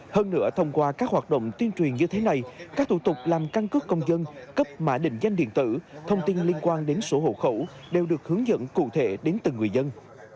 hơn nữa thông qua các hoạt động tuyên truyền như thế này các thủ tục làm căn cước công dân cấp mã định danh điện tử thông tin liên quan đến sổ hộ khẩu đều được hướng dẫn cụ thể đến từng người dân